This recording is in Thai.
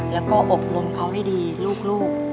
แล้วก็อบรมเขาให้ดีลูก